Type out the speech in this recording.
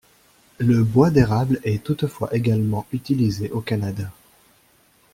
Le bois d'érable est toutefois également utilisé au Canada.